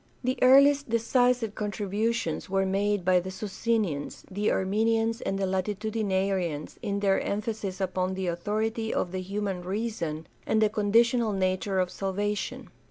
The earliest decisive contributions were made by the Socinians, the Arminians, and the Latitudinarians in their emphasis upon the authority of the human reason and the conditional nature of salvation.